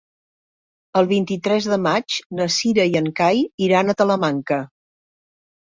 El vint-i-tres de maig na Cira i en Cai iran a Talamanca.